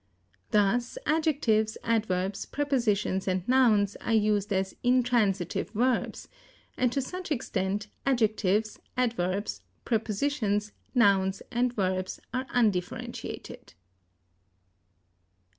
Thus adjectives, adverbs, prepositions, and nouns are used as intransitive verbs; and, to such extent, adjectives, adverbs, prepositions, nouns and verbs are undifferentiated.